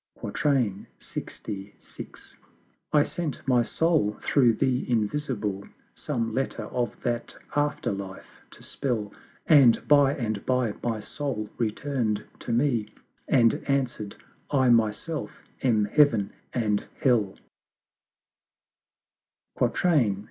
LXVI. I sent my Soul through the Invisible, Some letter of that After life to spell: And by and by my Soul return'd to me, And answer'd "I Myself am Heav'n and Hell:" LXVII.